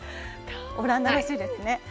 オランダらしいですね。